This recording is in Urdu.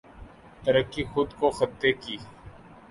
ترکی خود کو خطے کی